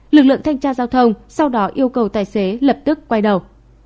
lực lượng thanh tra giao thông sau đó yêu cầu tài xế lập tức quay đầu